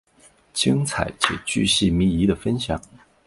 精彩且钜细靡遗的分享